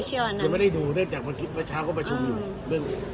หรือเครือข่ายเมฆหลามมาหรือ